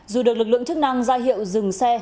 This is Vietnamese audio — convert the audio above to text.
dù được lực lượng chức năng ra hiệu dừng xe